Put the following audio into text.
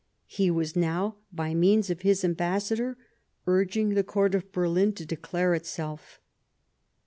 He was now, by means of his ambassador, urging the Court of Berlin to declare itself.